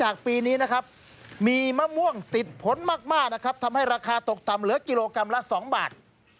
ฮะนะครับทำให้ราคาตกถ่ำเหลืองิโรกรัมละ๒บาท